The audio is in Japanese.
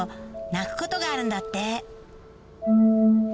鳴くことがあるんだって